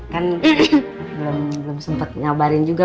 kan belum sempat nyabarin juga